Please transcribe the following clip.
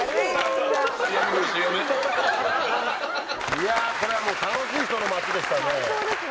いやこれはもう楽しい人の町でしたね。